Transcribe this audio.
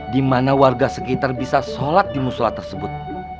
di mana warga sekitar bisa sholat di musola tersebut